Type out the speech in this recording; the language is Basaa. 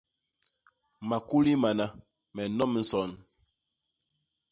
Makuli mana, me nnom nson!